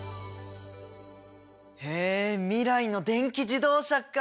へえ未来の電気自動車か！